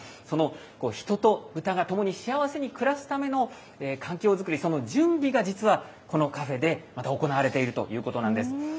その人とブタが共に幸せに暮らすための環境作り、その準備が、実はこのカフェでまた行われているということなんです。